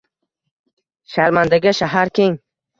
Sharmandaga shahar keng.